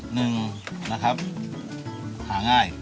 หนึ่งนะครับหาง่าย